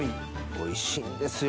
おいしいんですよ